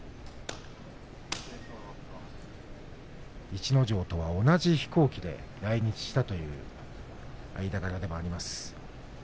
逸ノ城とは同じ飛行機で来日したという間柄でもあります